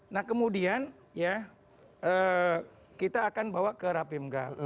nah kemudian ya kita akan bawa ke rapim gap